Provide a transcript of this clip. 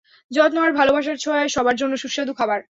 যত্ন আর ভালোবাসার ছোঁয়ায়, সবার জন্য সুস্বাদু খাবার।